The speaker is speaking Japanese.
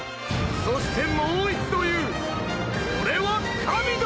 そしてもう一度言う俺は神だ！